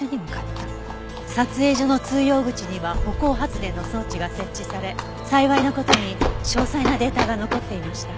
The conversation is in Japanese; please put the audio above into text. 撮影所の通用口には歩行発電の装置が設置され幸いな事に詳細なデータが残っていました。